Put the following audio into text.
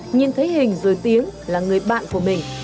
nhìn thấy hình rồi tiếng là người bạn của mình